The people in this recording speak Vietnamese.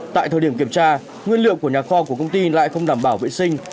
tại thời điểm kiểm tra nguyên liệu của nhà kho của công ty lại không đảm bảo vệ sinh